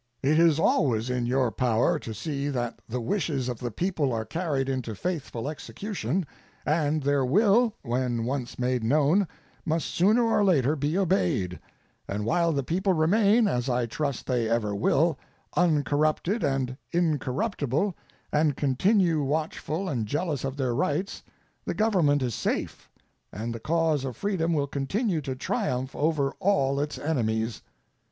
It is always in your power to see that the wishes of the people are carried into faithful execution, and their will, when once made known, must sooner or later be obeyed; and while the people remain, as I trust they ever will, uncorrupted and incorruptible, and continue watchful and jealous of their rights, the Government is safe, and the cause of freedom will continue to triumph over all its enemies.